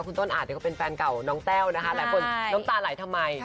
คุณต้นอาจเป็นแฟนเก่าน้องเต้าแล้วคุณน้ำตาไหลทำไม